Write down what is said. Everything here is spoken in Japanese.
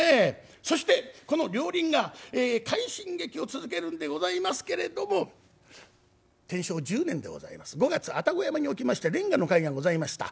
そしてこの両輪が快進撃を続けるんでございますけれども天正１０年でございます５月愛宕山におきまして連歌の会がございました。